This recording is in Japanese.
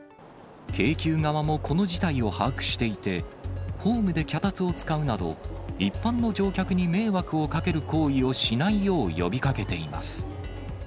京急側もこの事態を把握していて、ホームで脚立を使うなど、一般の乗客に迷惑をかける行為をしないよう呼びかけています。